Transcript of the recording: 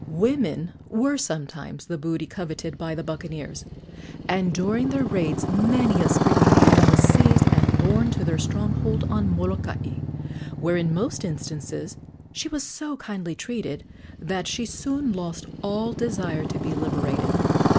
Women were sometimes the booty coveted by the buccaneers, and during their raids many a screaming beauty was seized and borne to their stronghold on Molokai, where in most instances she was so kindly treated that she soon lost all desire to be liberated.